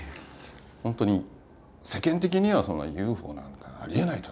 本当に世間的には「そんなＵＦＯなんてのはありえない」と。